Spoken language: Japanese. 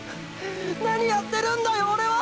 何やってるんだよオレは！！